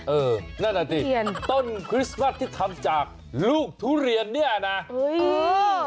เออนั่นอาจริงต้นคริสต์มัสที่ทำจากลูกทุเรียนเนี่ยนะเออ